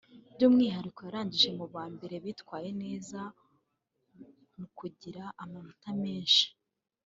By’umwihariko yarangije mu ba mbere bitwaye neza mu kugira amanota menshi